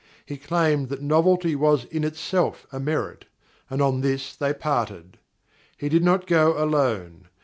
He claimed that novelty was in itself a merit, and on this they parted. He did not go alone.